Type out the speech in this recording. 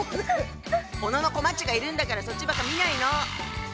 小野こまっちがいるんだからそっちばっか見ないの！